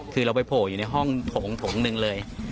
คือเราไปโผล่อยู่ในห้องโถงหนึ่งเลย